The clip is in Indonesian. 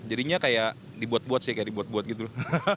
jadinya kayak dibuat buat sih kayak dibuat buat gitu loh